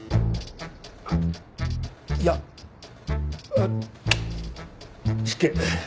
いや失敬。